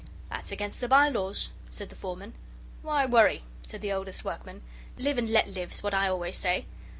"That's against the by laws," said the foreman. "Why worry?" said the oldest workman; "live and let live's what I always say.